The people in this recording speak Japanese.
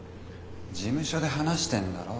事務所で話してんだろ？